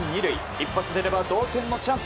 一発出れば同点のチャンス。